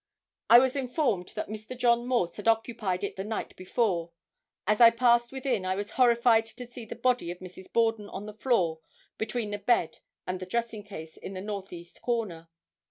I was informed that Mr. John Morse had occupied it the night before. As I passed within I was horrified to see the body of Mrs. Borden on the floor between the bed and dressing case in the northeast corner.